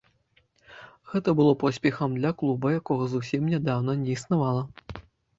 Гэта было поспехам для клуба, якога зусім нядаўна не існавала.